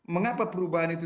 mengapa perubahan itu